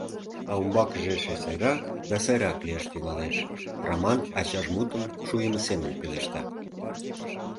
— А умбакыже эше сайрак да сайрак лияш тӱҥалеш, — Раман ачаж мутым шуйымо семын пелешта.